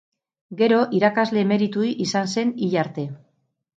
Gero, irakasle emeritu izan zen hil arte.